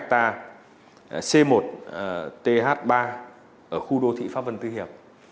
c một th ba ở khu đô thị pháp vân tư hiệp